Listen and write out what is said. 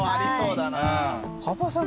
羽場さん